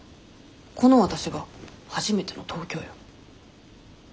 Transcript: このわたしが初めての東京よ？